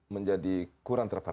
menjadi kurang terparatif